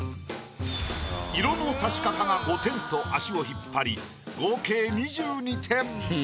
色の足し方が５点と足を引っ張り合計２２点。